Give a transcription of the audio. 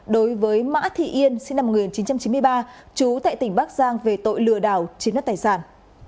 đối với mã thị yên sinh năm một nghìn chín trăm chín mươi ba trú tại tỉnh bắc giang về tội lừa đảo chiếm đất tài sản